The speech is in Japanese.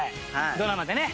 ドラマでね